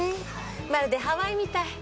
まるでハワイみたい。